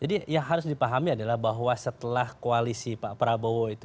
jadi yang harus dipahami adalah bahwa setelah koalisi pak prabowo itu